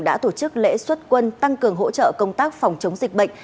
đã tổ chức lễ xuất quân tăng cường hỗ trợ công tác phòng chống dịch bệnh